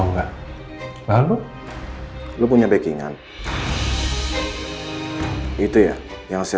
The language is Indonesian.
ada tamu untuk kamu